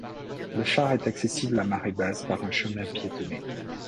Le phare est accessible à marée basse par un chemin piétonnier.